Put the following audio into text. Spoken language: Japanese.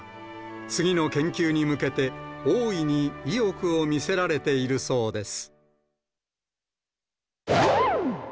次の研究に向けて、大いに意欲を見せられているそうです。